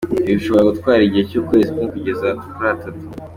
Ibi bishobora gutwara igihe cy’ukwezi kumwe kugeza kuri atatu.